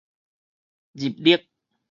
入力